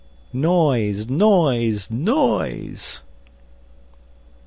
] _NOISE! NOISE! NOISE!